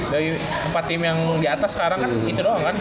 dari empat tim yang di atas sekarang kan itu doang kan